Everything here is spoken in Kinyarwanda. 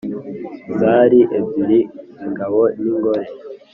zari ebyiri, ingabo n’ingore.